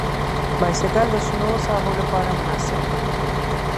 بایسکل د شنو ساحو لپاره مناسب دی.